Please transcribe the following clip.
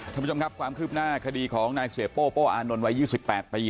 ท่านผู้ชมครับความคืบหน้าคดีของนายเสียโป้โป้อานนท์วัย๒๘ปี